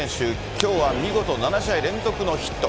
きょうは見事７試合連続のヒット。